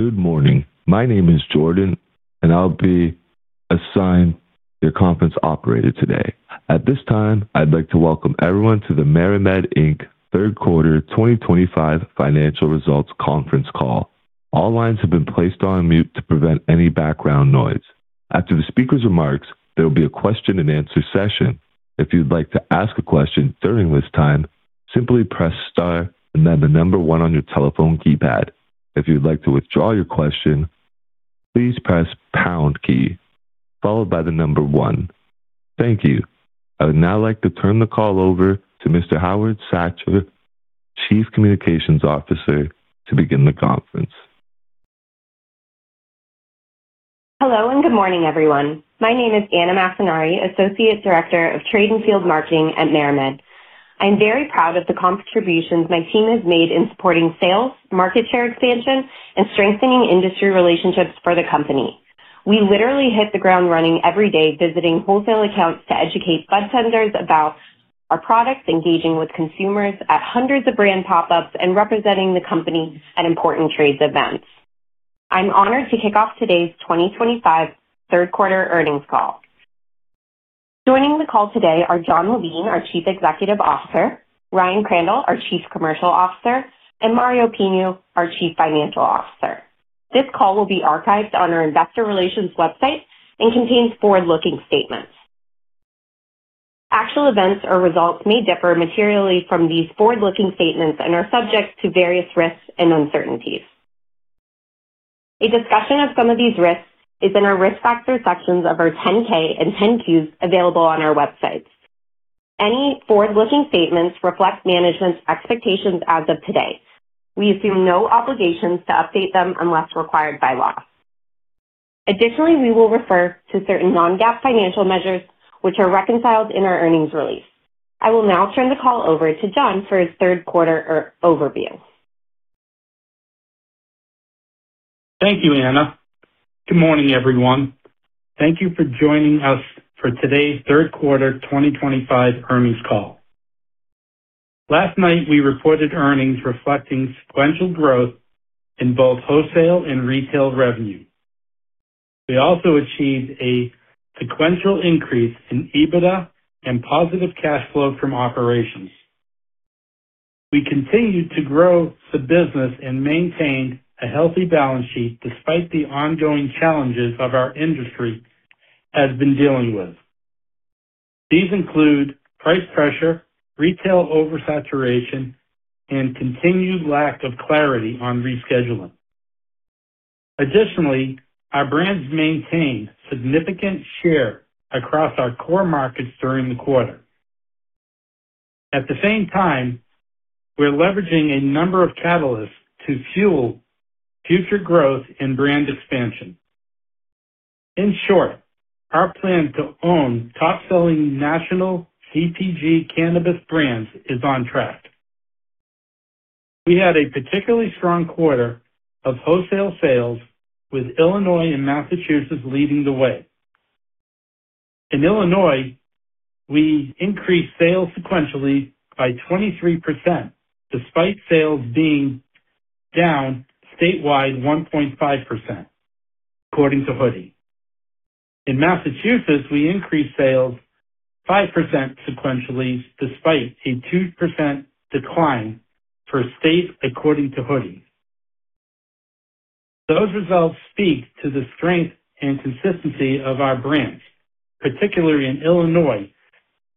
Good morning. My name is Jordan, and I'll be assigned the conference Operator today. At this time, I'd like to welcome everyone to the MariMed Inc. Q3 2025 financial results conference call. All lines have been placed on mute to prevent any background noise. After the speaker's remarks, there will be a question-and-answer session. If you'd like to ask a question during this time, simply press star and then the number one on your telephone keypad. If you'd like to withdraw your question, please press pound key, followed by the number one. Thank you. I would now like to turn the call over to Mr. Howard Satcher, Chief Communications Officer, to begin the conference. Hello and good morning, everyone. My name is Anna McElhoney, Associate Director of Trade and Field Marketing at MariMed. I'm very proud of the contributions my team has made in supporting sales, market share expansion, and strengthening industry relationships for the company. We literally hit the ground running every day, visiting wholesale accounts to educate bartenders about our products, engaging with consumers at hundreds of brand pop-ups, and representing the company at important trade events. I'm honored to kick off today's 2025 Q3 earnings call. Joining the call today are Jon Levine, our Chief Executive Officer; Ryan Crandall, our Chief Commercial Officer; and Mario Pinho, our Chief Financial Officer. This call will be archived on our investor relations website and contains forward-looking statements. Actual events or results may differ materially from these forward-looking statements and are subject to various risks and uncertainties. A discussion of some of these risks is in our risk factor sections of our 10K and 10Qs available on our websites. Any forward-looking statements reflect management's expectations as of today. We assume no obligations to update them unless required by law. Additionally, we will refer to certain non-GAAP financial measures, which are reconciled in our earnings release. I will now turn the call over to Jon for his Q3 overview. Thank you, Anna. Good morning, everyone. Thank you for joining us for today's Q3 2025 earnings call. Last night, we reported earnings reflecting sequential growth in both wholesale and retail revenue. We also achieved a sequential increase in EBITDA and positive cash flow from operations. We continued to grow the business and maintained a healthy balance sheet despite the ongoing challenges our industry has been dealing with. These include price pressure, retail oversaturation, and continued lack of clarity on rescheduling. Additionally, our brands maintained significant share across our core markets during the quarter. At the same time, we're leveraging a number of catalysts to fuel future growth and brand expansion. In short, our plan to own top-selling national CPG cannabis brands is on track. We had a particularly strong quarter of wholesale sales, with Illinois and Massachusetts leading the way. In Illinois, we increased sales sequentially by 23%, despite sales being. Down statewide 1.5%. According to Hoodie. In Massachusetts, we increased sales 5% sequentially, despite a 2% decline per state, according to Hoodie. Those results speak to the strength and consistency of our brands, particularly in Illinois,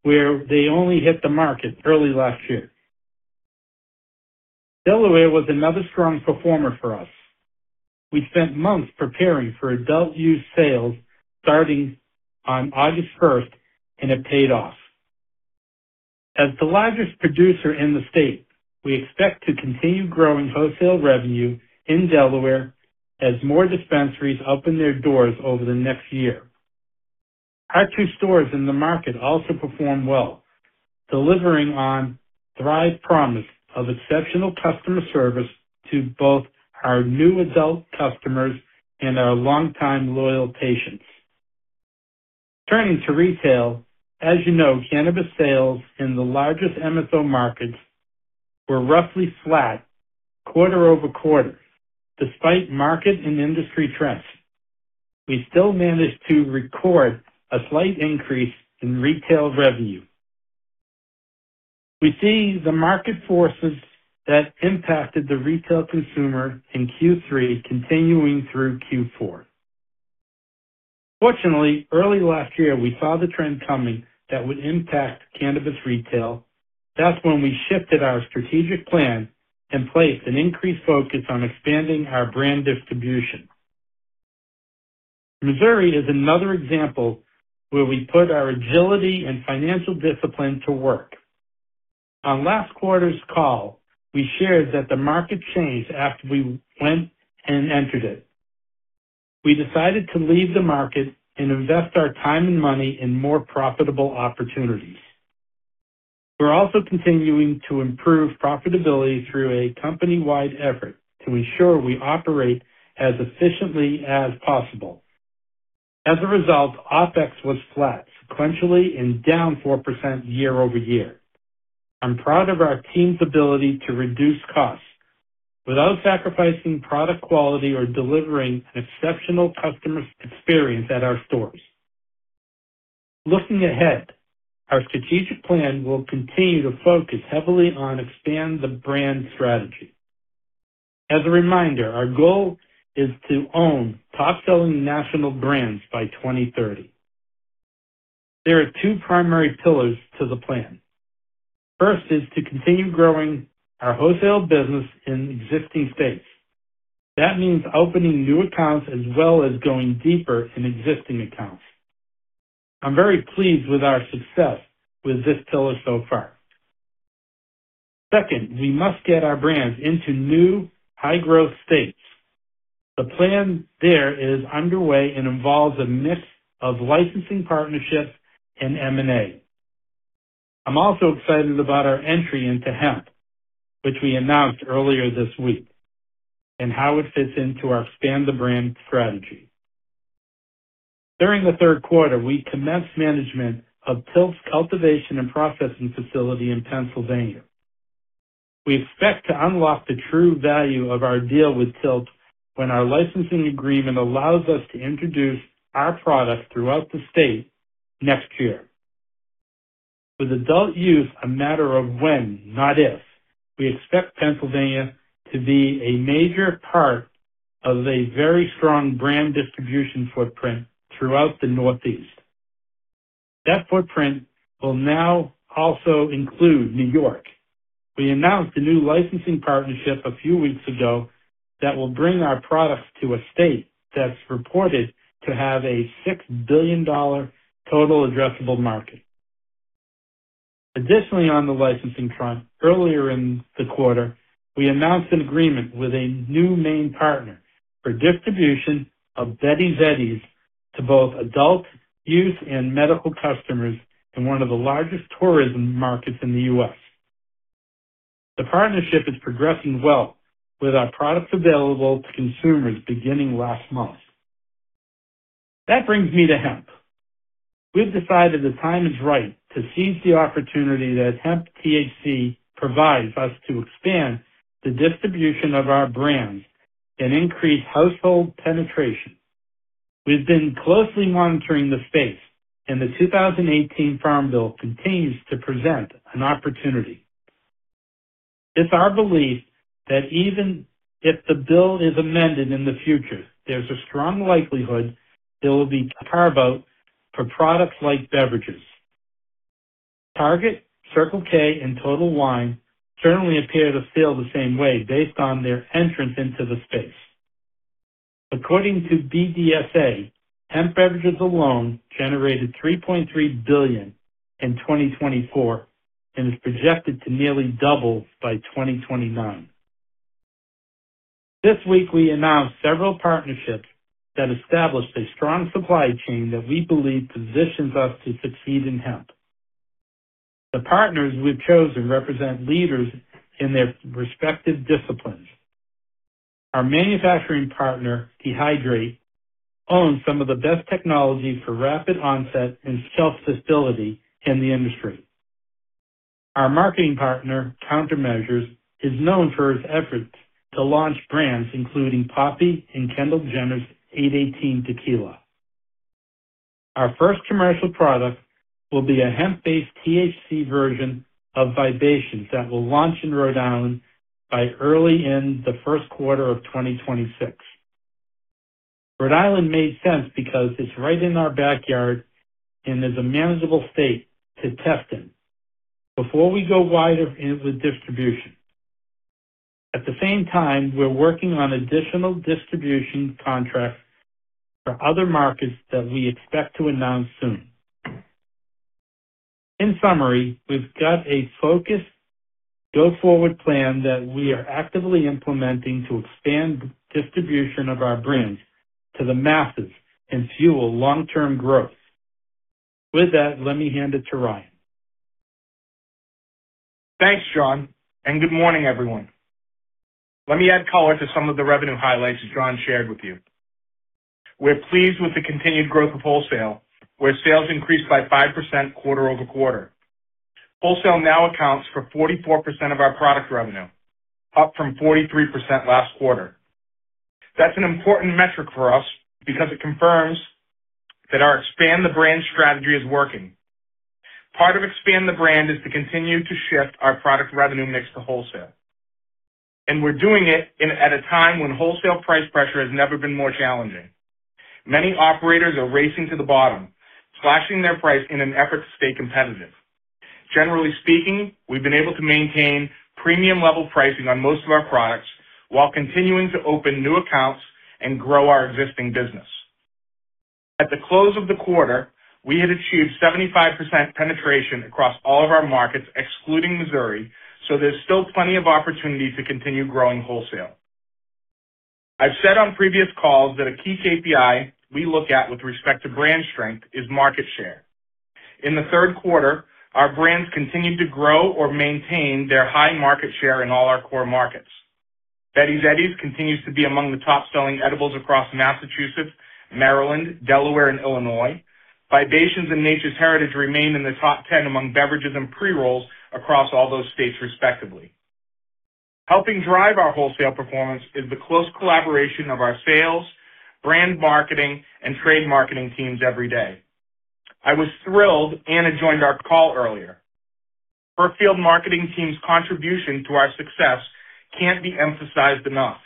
where they only hit the market early last year. Delaware was another strong performer for us. We spent months preparing for adult use sales, starting on August 1st, and it paid off. As the largest producer in the state, we expect to continue growing wholesale revenue in Delaware as more dispensaries open their doors over the next year. Our two stores in the market also performed well, delivering on. Thrive promise of exceptional customer service to both our new adult customers and our longtime loyal patients. Turning to retail, as you know, cannabis sales in the largest MSO markets were roughly flat quarter-over-quarter, despite market and industry trends. We still managed to record a slight increase in retail revenue. We see the market forces that impacted the retail consumer in Q3 continuing through Q4. Fortunately, early last year, we saw the trend coming that would impact cannabis retail. That's when we shifted our strategic plan and placed an increased focus on expanding our brand distribution. Missouri is another example where we put our agility and financial discipline to work. On last quarter's call, we shared that the market changed after we went and entered it. We decided to leave the market and invest our time and money in more profitable opportunities. We're also continuing to improve profitability through a company-wide effort to ensure we operate as efficiently as possible. As a result, OPEX was flat sequentially and down 4% year-over-year. I'm proud of our team's ability to reduce costs without sacrificing product quality or delivering an exceptional customer experience at our stores. Looking ahead, our strategic plan will continue to focus heavily on expanding the brand strategy. As a reminder, our goal is to own top-selling national brands by 2030. There are two primary pillars to the plan. The first is to continue growing our wholesale business in existing states. That means opening new accounts as well as going deeper in existing accounts. I'm very pleased with our success with this pillar so far. Second, we must get our brands into new high-growth states. The plan there is underway and involves a mix of licensing partnerships and M&A. I'm also excited about our entry into hemp, which we announced earlier this week, and how it fits into our expand-the-brand strategy. During the Q3, we commenced management of TILT's cultivation and processing facility in Pennsylvania. We expect to unlock the true value of our deal with TILT when our licensing agreement allows us to introduce our product throughout the state next year. With adult use a matter of when, not if, we expect Pennsylvania to be a major part of a very strong brand distribution footprint throughout the Northeast. That footprint will now also include New York. We announced a new licensing partnership a few weeks ago that will bring our products to a state that's reported to have a $6 billion total addressable market. Additionally, on the licensing front, earlier in the quarter, we announced an agreement with a new main partner for distribution of Betty's Eddies to both adult, youth, and medical customers in one of the largest tourism markets in the U.S. The partnership is progressing well, with our products available to consumers beginning last month. That brings me to Hemp. We've decided the time is right to seize the opportunity that Hemp THC provides us to expand the distribution of our brands and increase household penetration. We've been closely monitoring the space, and the 2018 Farm Bill continues to present an opportunity. It's our belief that even if the bill is amended in the future, there's a strong likelihood there will be a carve-out for products like beverages. Target, Circle K, and Total Wine certainly appear to feel the same way based on their entrance into the space. According to BDSA, Hemp beverages alone generated $3.3 billion in 2024 and is projected to nearly double by 2029. This week, we announced several partnerships that established a strong supply chain that we believe positions us to succeed in Hemp. The partners we've chosen represent leaders in their respective disciplines. Our manufacturing partner, Dehydrate, owns some of the best technology for rapid onset and self-fertility in the industry. Our marketing partner, Countermeasures, is known for its efforts to launch brands including Poppy and Kendall Jenner's 818 Tequila. Our first commercial product will be a Hemp-based THC version of Vibrations that will launch in Rhode Island by early in the Q1 of 2026. Rhode Island made sense because it's right in our backyard and is a manageable state to test in. Before we go wider with distribution. At the same time, we're working on additional distribution contracts for other markets that we expect to announce soon. In summary, we've got a focused. Go forward plan that we are actively implementing to expand distribution of our brands to the masses and fuel long-term growth. With that, let me hand it to Ryan. Thanks, Jon, and good morning, everyone. Let me add color to some of the revenue highlights Jon shared with you. We're pleased with the continued growth of wholesale, where sales increased by 5% quarter-over-quarter. Wholesale now accounts for 44% of our product revenue, up from 43% last quarter. That's an important metric for us because it confirms that our expand-the-brand strategy is working. Part of expand the brand is to continue to shift our product revenue mix to wholesale. We're doing it at a time when wholesale price pressure has never been more challenging. Many operators are racing to the bottom, slashing their price in an effort to stay competitive. Generally speaking, we've been able to maintain premium-level pricing on most of our products while continuing to open new accounts and grow our existing business. At the close of the quarter, we had achieved 75% penetration across all of our markets, excluding Missouri, so there's still plenty of opportunity to continue growing wholesale. I've said on previous calls that a key KPI we look at with respect to brand strength is market share. In the Q3, our brands continued to grow or maintain their high market share in all our core markets. Betty's Eddies continues to be among the top-selling edibles across Massachusetts, Maryland, Delaware, and Illinois. Vibrations and Nature's Heritage remain in the top 10 among beverages and pre-rolls across all those states, respectively. Helping drive our wholesale performance is the close collaboration of our sales, brand marketing, and trade marketing teams every day. I was thrilled Anna joined our call earlier. Her field marketing team's contribution to our success can't be emphasized enough.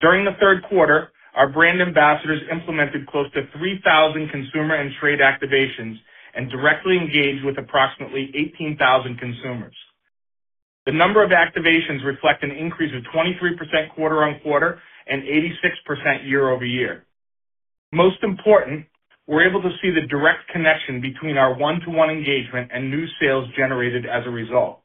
During the Q3, our brand ambassadors implemented close to 3,000 consumer and trade activations and directly engaged with approximately 18,000 consumers. The number of activations reflect an increase of 23% quarter-on-quarter and 86% year-over-year. Most important, we're able to see the direct connection between our one-to-one engagement and new sales generated as a result.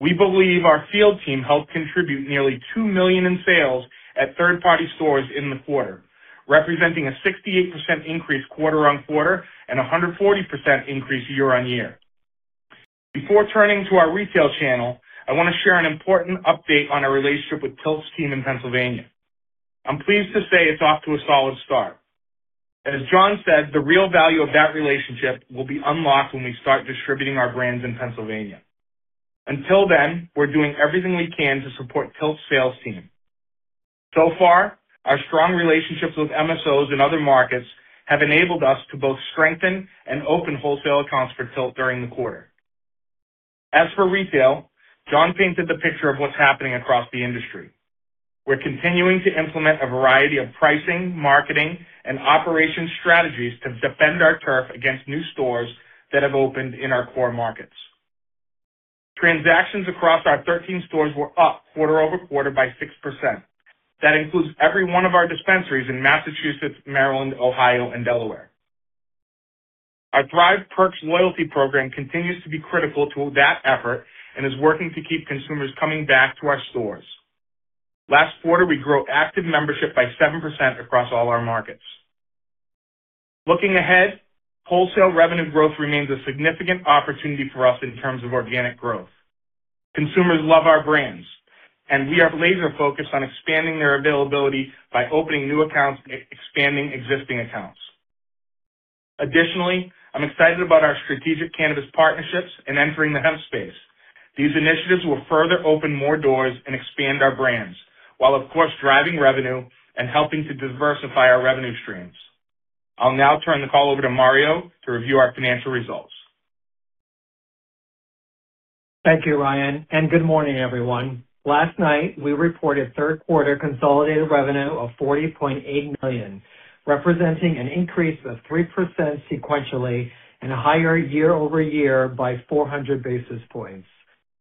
We believe our field team helped contribute nearly $2 million in sales at third-party stores in the quarter, representing a 68% increase quarter-on-quarter and a 140% increase year-on-year. Before turning to our retail channel, I want to share an important update on our relationship with TILT's team in Pennsylvania. I'm pleased to say it's off to a solid start. As Jon said, the real value of that relationship will be unlocked when we start distributing our brands in Pennsylvania. Until then, we're doing everything we can to support TILT's sales team. So far, our strong relationships with MSOs in other markets have enabled us to both strengthen and open wholesale accounts for TILT during the quarter. As for retail, Jon painted the picture of what's happening across the industry. We're continuing to implement a variety of pricing, marketing, and operations strategies to defend our turf against new stores that have opened in our core markets. Transactions across our 13 stores were up quarter-over-quarter by 6%. That includes every one of our dispensaries in Massachusetts, Maryland, Ohio, and Delaware. Our Thrive Perks loyalty program continues to be critical to that effort and is working to keep consumers coming back to our stores. Last quarter, we grew active membership by 7% across all our markets. Looking ahead, wholesale revenue growth remains a significant opportunity for us in terms of organic growth. Consumers love our brands, and we are laser-focused on expanding their availability by opening new accounts and expanding existing accounts. Additionally, I'm excited about our strategic cannabis partnerships and entering the Hemp space. These initiatives will further open more doors and expand our brands while, of course, driving revenue and helping to diversify our revenue streams. I'll now turn the call over to Mario to review our financial results. Thank you, Ryan, and good morning, everyone. Last night, we reported Q3 consolidated revenue of $40.8 million, representing an increase of 3% sequentially and a higher year-over-year by 400 basis points.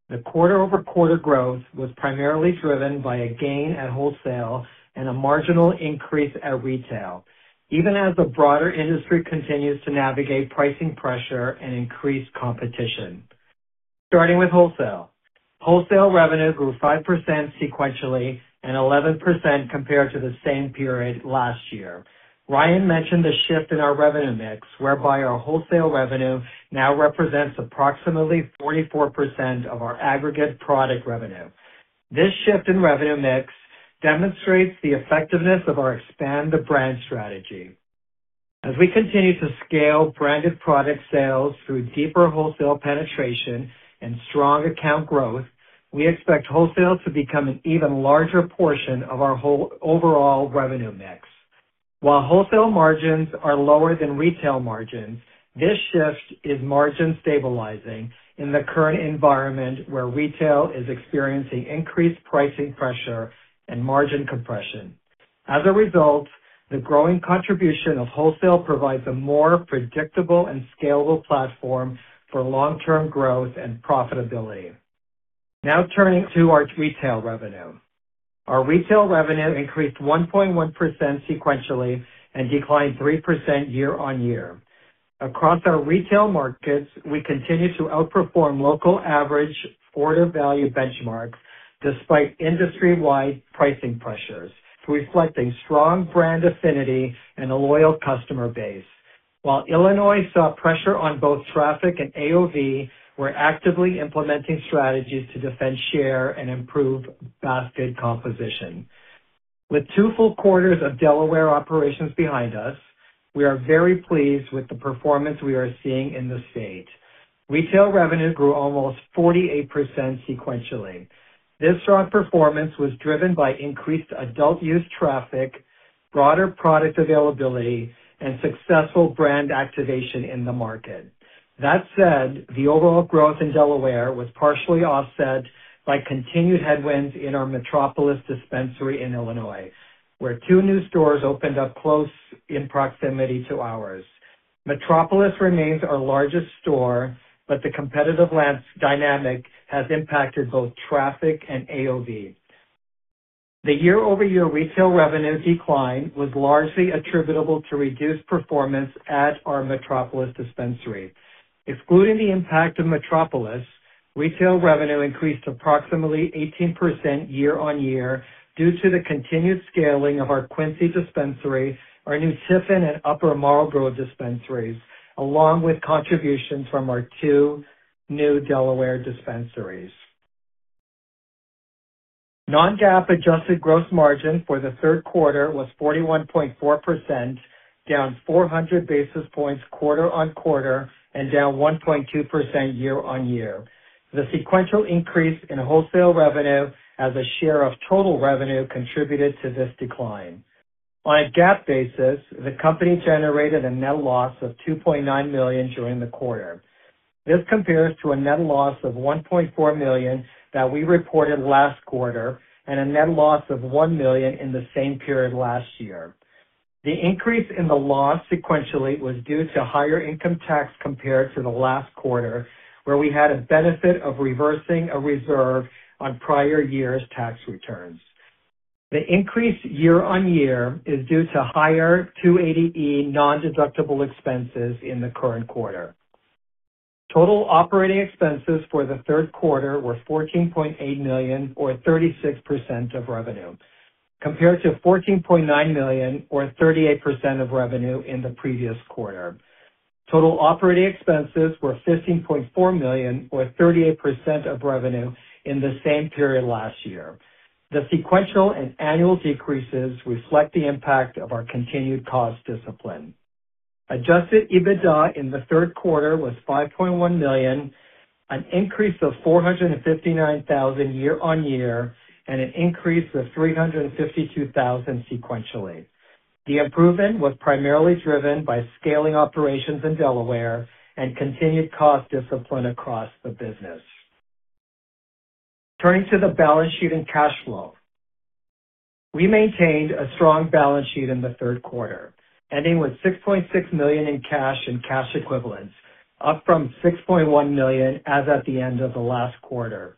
The quarter-over-quarter growth was primarily driven by a gain at wholesale and a marginal increase at retail, even as the broader industry continues to navigate pricing pressure and increased competition. Starting with wholesale, wholesale revenue grew 5% sequentially and 11% compared to the same period last year. Ryan mentioned the shift in our revenue mix, whereby our wholesale revenue now represents approximately 44% of our aggregate product revenue. This shift in revenue mix demonstrates the effectiveness of our expand-the-brand strategy. As we continue to scale branded product sales through deeper wholesale penetration and strong account growth, we expect wholesale to become an even larger portion of our overall revenue mix. While wholesale margins are lower than retail margins, this shift is margin-stabilizing in the current environment where retail is experiencing increased pricing pressure and margin compression. As a result, the growing contribution of wholesale provides a more predictable and scalable platform for long-term growth and profitability. Now turning to our retail revenue. Our retail revenue increased 1.1% sequentially and declined 3% year-on-year. Across our retail markets, we continue to outperform local average quarter-value benchmarks despite industry-wide pricing pressures, reflecting strong brand affinity and a loyal customer base. While Illinois saw pressure on both traffic and AOV, we're actively implementing strategies to defend share and improve basket composition. With two full quarters of Delaware operations behind us, we are very pleased with the performance we are seeing in the state. Retail revenue grew almost 48% sequentially. This strong performance was driven by increased adult use traffic, broader product availability, and successful brand activation in the market. That said, the overall growth in Delaware was partially offset by continued headwinds in our Metropolis dispensary in Illinois, where two new stores opened up close in proximity to ours. Metropolis remains our largest store, but the competitive dynamic has impacted both traffic and AOV. The year-over-year retail revenue decline was largely attributable to reduced performance at our Metropolis dispensary. Excluding the impact of Metropolis, retail revenue increased approximately 18% year-on-year due to the continued scaling of our Quincy dispensary, our new Tiffin and Upper Marlboro dispensaries, along with contributions from our two new Delaware dispensaries. Non-GAAP adjusted gross margin for the Q3 was 41.4%, down 400 basis points quarter-on-quarter and down 1.2% year-on-year. The sequential increase in wholesale revenue as a share of total revenue contributed to this decline. On a GAAP basis, the company generated a net loss of $2.9 million during the quarter. This compares to a net loss of $1.4 million that we reported last quarter and a net loss of $1 million in the same period last year. The increase in the loss sequentially was due to higher income tax compared to the last quarter, where we had a benefit of reversing a reserve on prior year's tax returns. The increase year-on-year is due to higher 280E non-deductible expenses in the current quarter. Total operating expenses for the Q3 were $14.8 million, or 36% of revenue, compared to $14.9 million, or 38% of revenue, in the previous quarter. Total operating expenses were $15.4 million, or 38% of revenue, in the same period last year. The sequential and annual decreases reflect the impact of our continued cost discipline. Adjusted EBITDA in the Q3 was $5.1 million, an increase of $459,000 year-on-year, and an increase of $352,000 sequentially. The improvement was primarily driven by scaling operations in Delaware and continued cost discipline across the business. Turning to the balance sheet and cash flow. We maintained a strong balance sheet in the Q3, ending with $6.6 million in cash and cash equivalents, up from $6.1 million as at the end of the last quarter,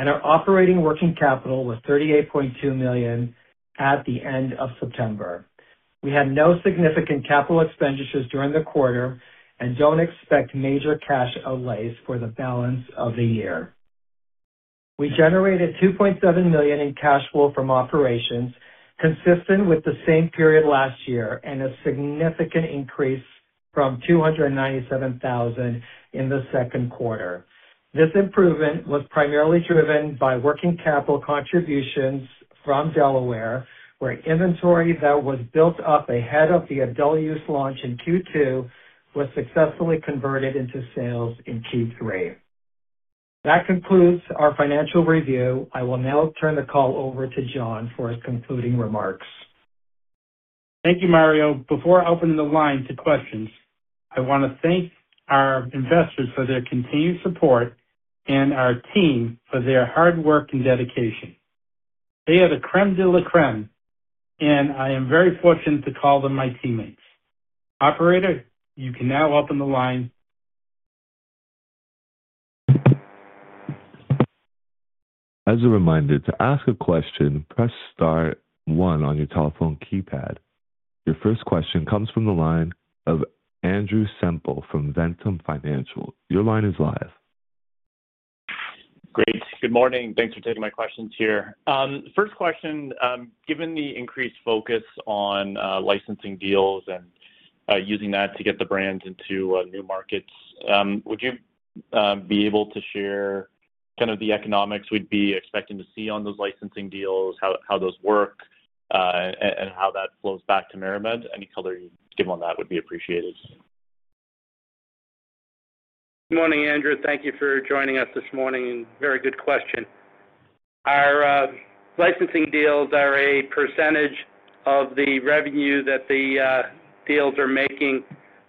and our operating working capital was $38.2 million at the end of September. We had no significant capital expenditures during the quarter and don't expect major cash outlays for the balance of the year. We generated $2.7 million in cash flow from operations, consistent with the same period last year, and a significant increase from $297,000 in the second quarter. This improvement was primarily driven by working capital contributions from Delaware, where inventory that was built up ahead of the adult use launch in Q2 was successfully converted into sales in Q3. That concludes our financial review. I will now turn the call over to Jon for his concluding remarks. Thank you, Mario. Before I open the line to questions, I want to thank our investors for their continued support and our team for their hard work and dedication. They are the crème de la crème, and I am very fortunate to call them my teammates. Operator, you can now open the line. As a reminder, to ask a question, press star one on your telephone keypad. Your first question comes from the line of Andrew Semple from Ventum Financial. Your line is live. Great. Good morning. Thanks for taking my questions here. First question, given the increased focus on licensing deals and using that to get the brand into new markets, would you be able to share kind of the economics we'd be expecting to see on those licensing deals, how those work. And how that flows back to MariMed? Any color you'd give on that would be appreciated. Good morning, Andrew. Thank you for joining us this morning. Very good question. Our licensing deals are a percentage of the revenue that the deals are making.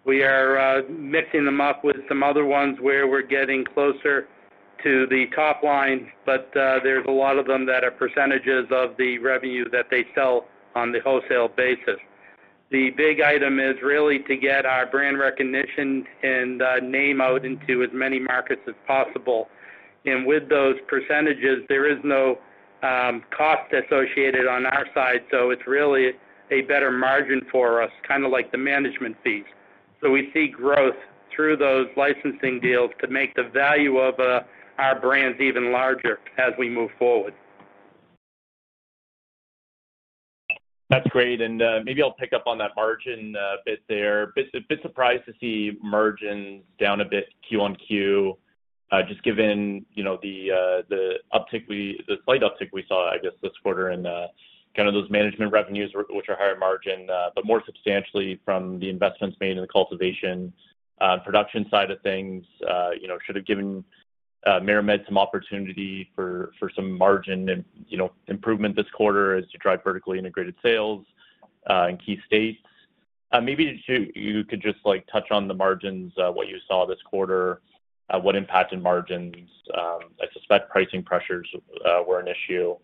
We are mixing them up with some other ones where we're getting closer to the top line, but there's a lot of them that are percentages of the revenue that they sell on the wholesale basis. The big item is really to get our brand recognition and name out into as many markets as possible. And with those percentages, there is no. Cost associated on our side, so it's really a better margin for us, kind of like the management fees. So we see growth through those licensing deals to make the value of our brands even larger as we move forward. That's great. And maybe I'll pick up on that margin bit there. A bit surprised to see margins down a bit Q on Q. Just given the. Slight uptick we saw, I guess, this quarter in kind of those management revenues, which are higher margin, but more substantially from the investments made in the cultivation and production side of things, should have given. MariMed some opportunity for some margin improvement this quarter as you drive vertically integrated sales in key states. Maybe you could just touch on the margins, what you saw this quarter, what impacted margins. I suspect pricing pressures were an issue.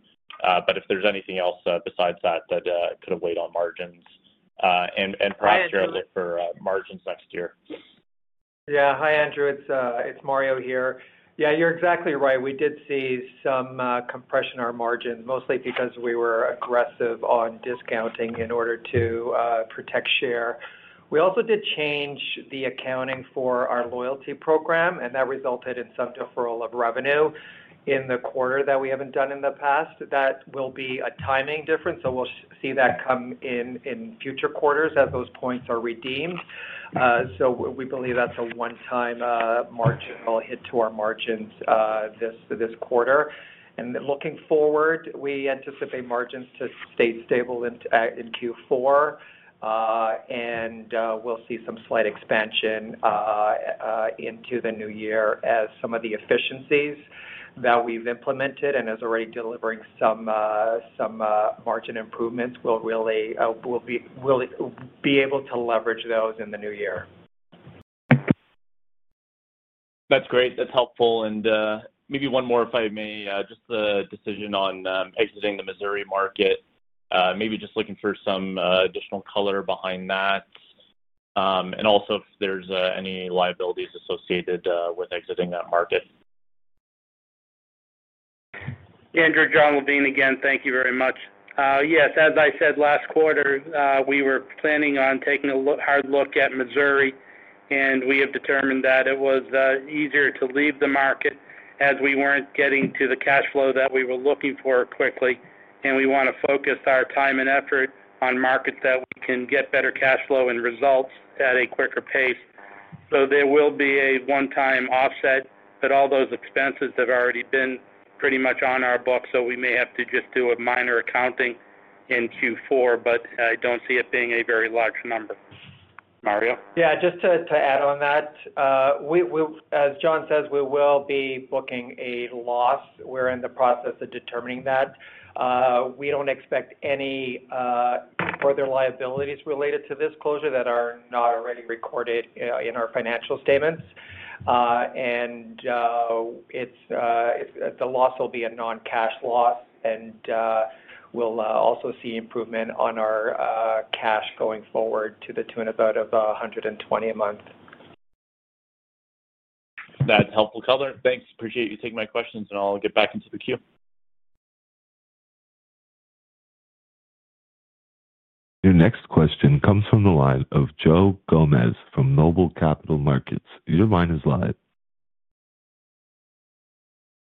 But if there's anything else besides that that could have weighed on margins. And perhaps you're outlook for margins next year. Yeah. Hi, Andrew. It's Mario here. Yeah, you're exactly right. We did see some compression in our margins, mostly because we were aggressive on discounting in order to protect share. We also did change the accounting for our loyalty program, and that resulted in some deferral of revenue in the quarter that we haven't done in the past. That will be a timing difference, so we'll see that come in future quarters as those points are redeemed. So we believe that's a one-time margin we'll hit to our margins. This quarter. And looking forward, we anticipate margins to stay stable in Q4. And we'll see some slight expansion. Into the new year as some of the efficiencies that we've implemented and as already delivering some. Margin improvements, we'll really. Be able to leverage those in the new year. That's great. That's helpful. And maybe one more, if I may, just the decision on exiting the Missouri market. Maybe just looking for some additional color behind that. And also if there's any liabilities associated with exiting that market. Andrew, Jon Levine, again, thank you very much. Yes, as I said, last quarter, we were planning on taking a hard look at Missouri, and we have determined that it was easier to leave the market as we weren't getting to the cash flow that we were looking for quickly. And we want to focus our time and effort on markets that we can get better cash flow and results at a quicker pace. So there will be a one-time offset, but all those expenses have already been pretty much on our book, so we may have to just do a minor accounting in Q4, but I don't see it being a very large number. Mario? Yeah. Just to add on that. As Jon says, we will be booking a loss. We're in the process of determining that. We don't expect any. Further liabilities related to this closure that are not already recorded in our financial statements. And. The loss will be a non-cash loss. And. We'll also see improvement on our cash going forward to the tune about of 120 a month. That's helpful color. Thanks. Appreciate you taking my questions, and I'll get back into the queue. Your next question comes from the line of Joe Gomes from Noble Capital Markets. Your line is live.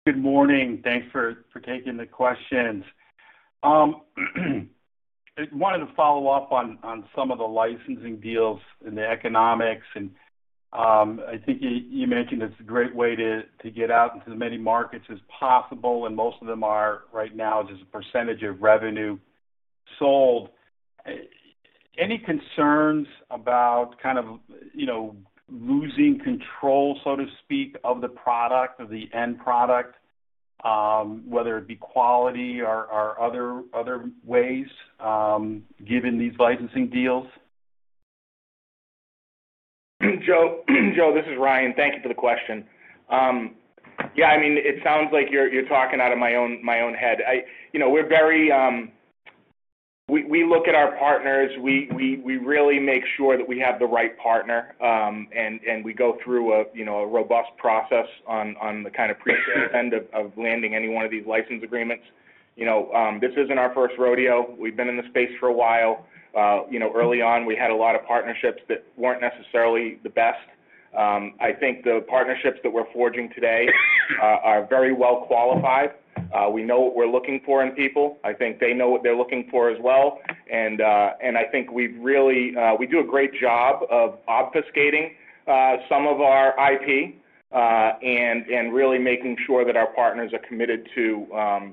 Good morning. Thanks for taking the questions. I wanted to follow up on some of the licensing deals and the economics. And I think you mentioned it's a great way to get out into as many markets as possible, and most of them are right now just a percentage of revenue. Sold. Any concerns about kind of. Losing control, so to speak, of the product, of the end product. Whether it be quality or other ways. Given these licensing deals? Joe, this is Ryan. Thank you for the question. Yeah, I mean, it sounds like you're talking out of my own head. We're very. We look at our partners. We really make sure that we have the right partner, and we go through a robust process on the kind of pre-sales end of landing any one of these license agreements. This isn't our first rodeo. We've been in the space for a while. Early on, we had a lot of partnerships that weren't necessarily the best. I think the partnerships that we're forging today are very well qualified. We know what we're looking for in people. I think they know what they're looking for as well. And I think we do a great job of obfuscating some of our IP. And really making sure that our partners are committed to.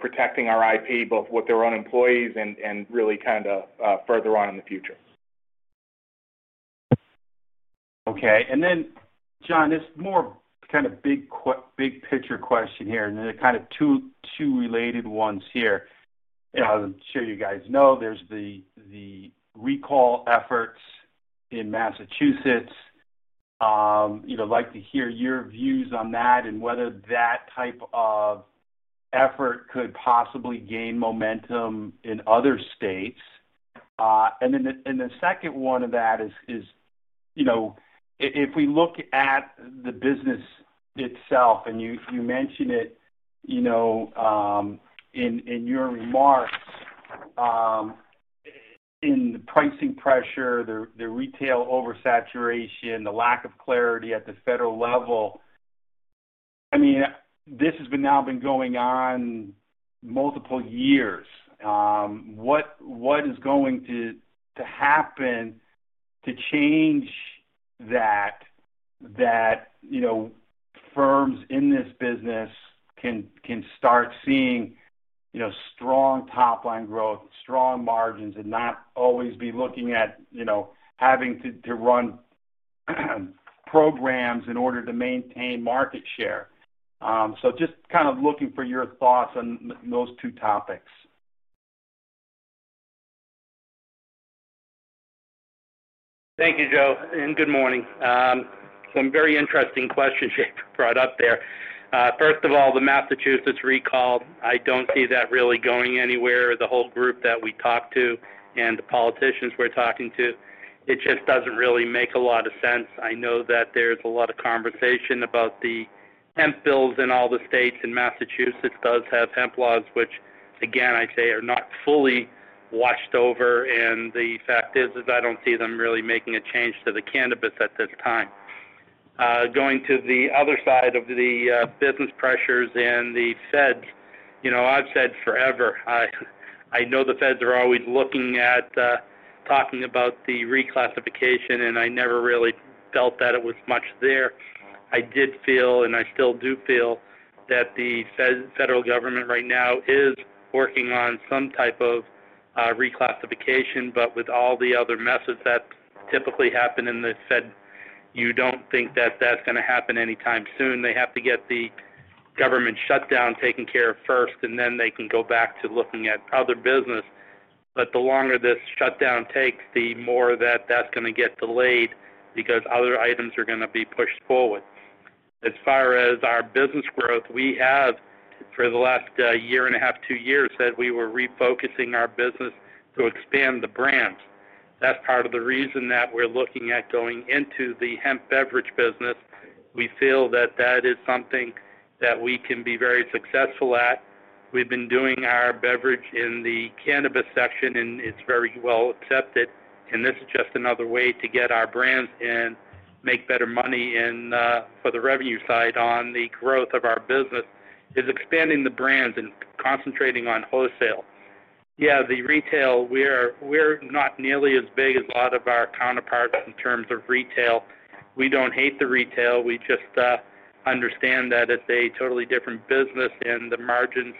Protecting our IP, both with their own employees and really kind of further on in the future. Okay. And then, Jon, it's more kind of big picture question here, and then kind of two related ones here. As I'm sure you guys know, there's the. Recall efforts in Massachusetts. I'd like to hear your views on that and whether that type of. Effort could possibly gain momentum in other states. And then the second one of that is. If we look at the business. Itself, and you mentioned it. In your remarks. In the pricing pressure, the retail oversaturation, the lack of clarity at the federal level. I mean, this has now been going on. Multiple years. What is going to. Happen to change that. That. Firms in this business. Can start seeing. Strong top-line growth, strong margins, and not always be looking at. Having to run. Programs in order to maintain market share? So just kind of looking for your thoughts on those two topics. Thank you, Joe. And good morning. Some very interesting questions you brought up there. First of all, the Massachusetts recall, I don't see that really going anywhere. The whole group that we talked to and the politicians we're talking to, it just doesn't really make a lot of sense. I know that there's a lot of conversation about the hemp bills in all the states, and Massachusetts does have hemp laws, which, again, I say, are not fully watched over. And the fact is, I don't see them really making a change to the cannabis at this time. Going to the other side of the business pressures and the feds, I've said forever. I know the feds are always looking at talking about the reclassification, and I never really felt that it was much there. I did feel, and I still do feel, that the federal government right now is working on some type of. Reclassification, but with all the other messes that typically happen in the fed, you don't think that that's going to happen anytime soon. They have to get the government shutdown taken care of first, and then they can go back to looking at other business. But the longer this shutdown takes, the more that that's going to get delayed because other items are going to be pushed forward. As far as our business growth, we have, for the last year and a half, two years, said we were refocusing our business to expand the brands. That's part of the reason that we're looking at going into the hemp beverage business. We feel that that is something that we can be very successful at. We've been doing our beverage in the cannabis section, and it's very well accepted. And this is just another way to get our brands and make better money for the revenue side on the growth of our business is expanding the brands and concentrating on wholesale. Yeah, the retail, we're not nearly as big as a lot of our counterparts in terms of retail. We don't hate the retail. We just. Understand that it's a totally different business, and the margins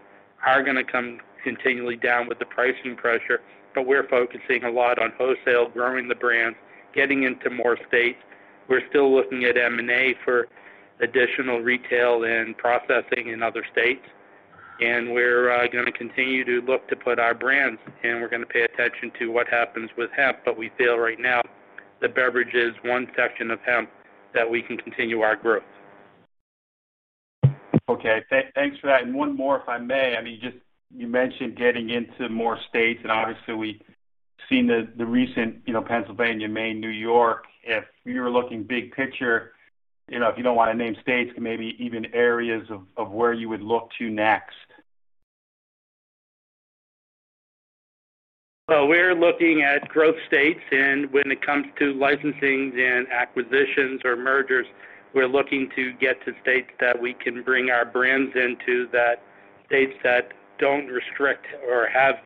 are going to come continually down with the pricing pressure. But we're focusing a lot on wholesale, growing the brands, getting into more states. We're still looking at M&A for additional retail and processing in other states. And we're going to continue to look to put our brands, and we're going to pay attention to what happens with hemp. But we feel right now the beverage is one section of hemp that we can continue our growth. Okay. Thanks for that. And one more, if I may. I mean, you mentioned getting into more states, and obviously, we've seen the recent Pennsylvania, Maine, New York. If you're looking big picture, if you don't want to name states, maybe even areas of where you would look to next. Well, we're looking at growth states. And when it comes to licensing and acquisitions or mergers, we're looking to get to states that we can bring our brands into, that states that don't restrict or have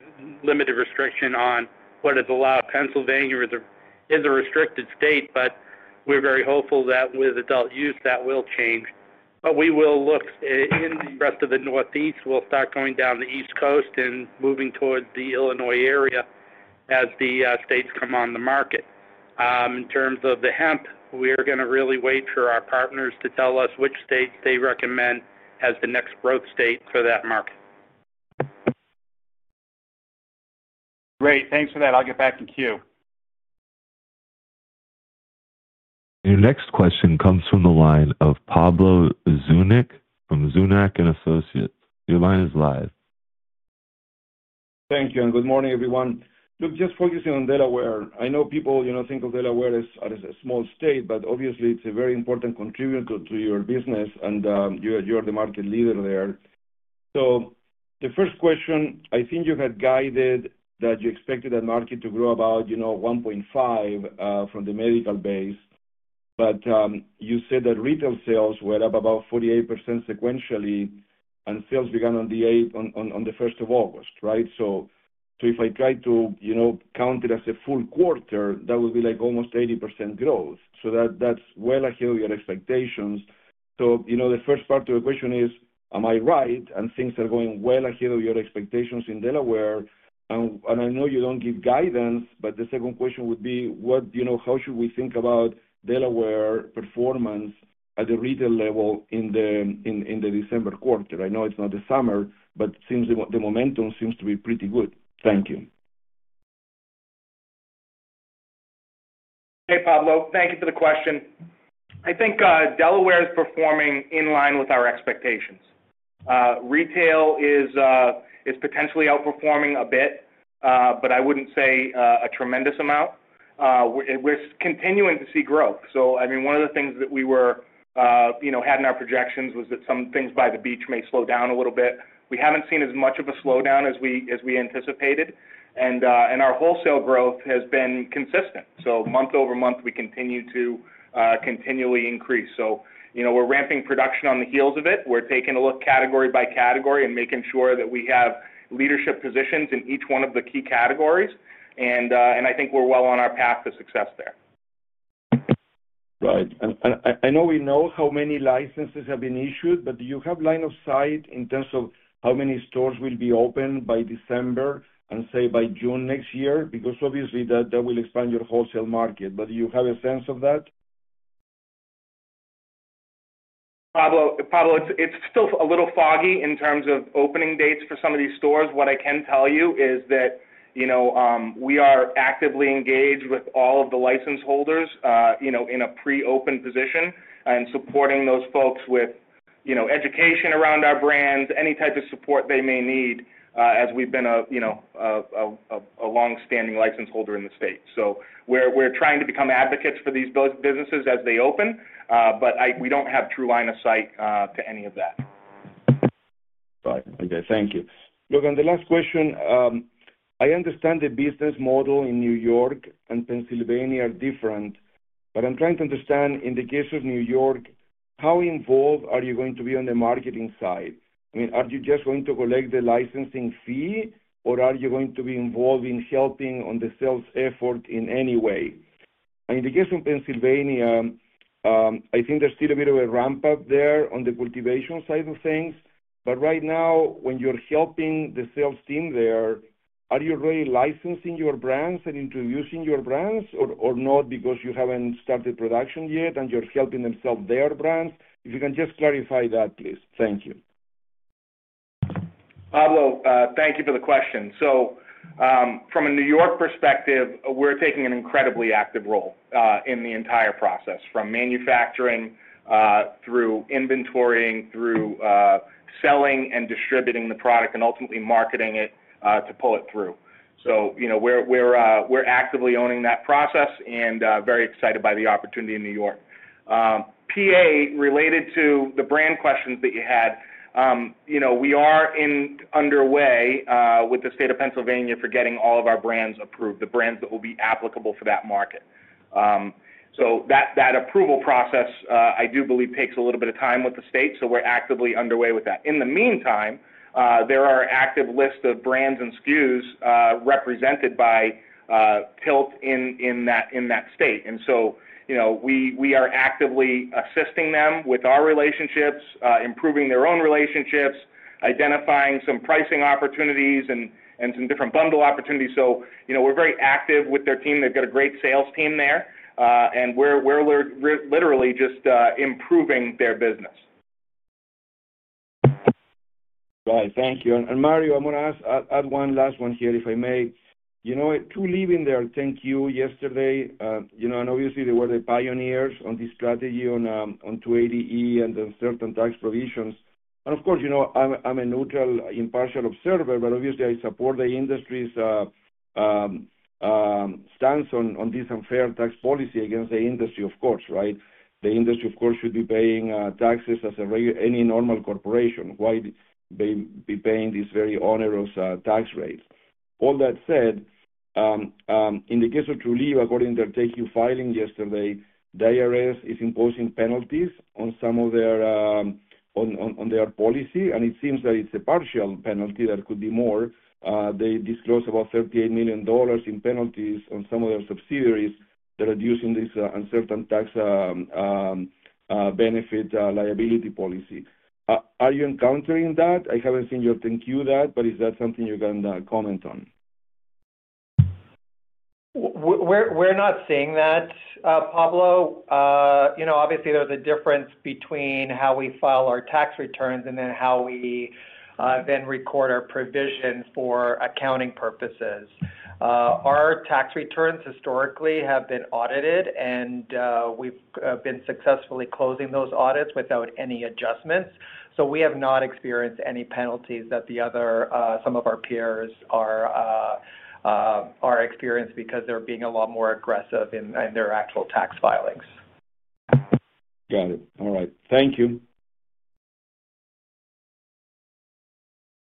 limited restriction on what is allowed. Pennsylvania is a restricted state, but we're very hopeful that with adult use, that will change. But we will look in the rest of the Northeast. We'll start going down the East Coast and moving toward the Illinois area as the states come on the market. In terms of the hemp, we are going to really wait for our partners to tell us which states they recommend as the next growth state for that market. Great. Thanks for that. I'll get back in queue. Your next question comes from the line of Pablo Zuanic from Zunak & Associates. Your line is live. Thank you. And good morning, everyone. Look, just focusing on Delaware. I know people think of Delaware as a small state, but obviously, it's a very important contributor to your business, and you are the market leader there. So the first question, I think you had guided that you expected that market to grow about 1.5 from the medical base. But you said that retail sales were up about 48% sequentially, and sales began on the 1st of August, right? So if I try to. Count it as a full quarter, that would be like almost 80% growth. So that's well ahead of your expectations. So the first part of the question is, am I right? And things are going well ahead of your expectations in Delaware. And I know you don't give guidance, but the second question would be, how should we think about Delaware performance at the retail level in the December quarter? I know it's not the summer, but the momentum seems to be pretty good. Thank you. Hey, Pablo, thank you for the question. I think Delaware is performing in line with our expectations. Retail is. Potentially outperforming a bit, but I wouldn't say a tremendous amount. We're continuing to see growth. So, I mean, one of the things that we were. Having our projections was that some things by the beach may slow down a little bit. We haven't seen as much of a slowdown as we anticipated. And our wholesale growth has been consistent. So month over month, we continue. To continually increase. So we're ramping production on the heels of it. We're taking a look category by category and making sure that we have leadership positions in each one of the key categories. And I think we're well on our path to success there. Right. And I know we know how many licenses have been issued, but do you have line of sight in terms of how many stores will be open by December and say by June next year? Because obviously, that will expand your wholesale market. But do you have a sense of that? Pablo, it's still a little foggy in terms of opening dates for some of these stores. What I can tell you is that. We are actively engaged with all of the license holders in a pre-open position and supporting those folks with. Education around our brands, any type of support they may need as we've been. A long-standing license holder in the state. So we're trying to become advocates for these businesses as they open, but we don't have true line of sight to any of that. Right. Okay. Thank you. Look, on the last question. I understand the business model in New York and Pennsylvania are different. But I'm trying to understand, in the case of New York, how involved are you going to be on the marketing side? I mean, are you just going to collect the licensing fee, or are you going to be involved in helping on the sales effort in any way? In the case of Pennsylvania. I think there's still a bit of a ramp-up there on the cultivation side of things. But right now, when you're helping the sales team there, are you really licensing your brands and introducing your brands or not because you haven't started production yet and you're helping them sell their brands? If you can just clarify that, please. Thank you. Pablo, thank you for the question. From a New York perspective, we're taking an incredibly active role in the entire process, from manufacturing through inventory, through selling and distributing the product, and ultimately marketing it to pull it through. We're actively owning that process and very excited by the opportunity in New York. PA, related to the brand questions that you had, we are underway with the state of Pennsylvania for getting all of our brands approved, the brands that will be applicable for that market. That approval process, I do believe, takes a little bit of time with the state. We're actively underway with that. In the meantime, there are active lists of brands and SKUs represented by TILT in that state, and we are actively assisting them with our relationships, improving their own relationships, identifying some pricing opportunities, and some different bundle opportunities. So we're very active with their team. They've got a great sales team there. And we're literally just improving their business. Right. Thank you. And Mario, I'm going to add one last one here, if I may. You know what? Trulieve in their 10Q yesterday, and obviously, they were the pioneers on this strategy on 280E and the certain tax provisions. And of course, I'm a neutral, impartial observer, but obviously, I support the industry's. Stance on this unfair tax policy against the industry, of course, right? The industry, of course, should be paying taxes as any normal corporation. Why they be paying these very onerous tax rates? All that said. In the case of Trulieve, according to their taking filing yesterday, the IRS is imposing penalties on some of their policy. And it seems that it's a partial penalty that could be more. They disclosed about $38 million in penalties on some of their subsidiaries that are using this uncertain tax. Benefit liability policy. Are you encountering that? I haven't seen your thank you, but is that something you can comment on? We're not seeing that, Pablo. Obviously, there's a difference between how we file our tax returns and then how we. Then record our provisions for accounting purposes. Our tax returns historically have been audited, and we've been successfully closing those audits without any adjustments. So we have not experienced any penalties that some of our peers are. Experiencing because they're being a lot more aggressive in their actual tax filings. Got it. All right. Thank you.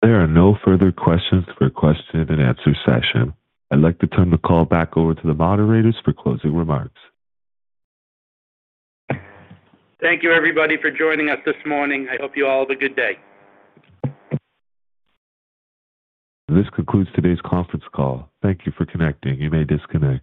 There are no further questions for question and answer session. I'd like to turn the call back over to the moderators for closing remarks. Thank you, everybody, for joining us this morning. I hope you all have a good day. This concludes today's conference call. Thank you for connecting. You may disconnect.